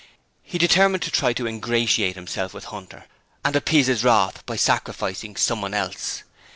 He determined to try to ingratiate himself with Hunter and appease his wrath by sacrificing someone else.